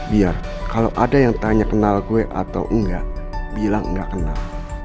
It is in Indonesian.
biar kalau ada yang tanya kenal gue atau enggak bilang enggak kenal